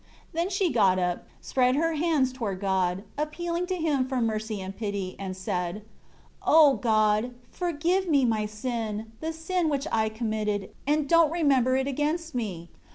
4 Then she got up, spread her hands toward God, appealing to Him for mercy and pity, and said, "O God, forgive me my sin, the sin which I committed, and don't remember it against me.